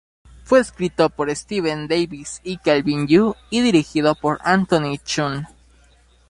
Fue escrito por Steven Davis y Kelvin Yu y dirigido por Anthony Chun.